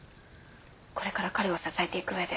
これから彼を支えていくうえで